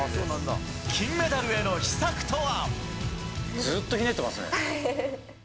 金メダルへの秘策とは。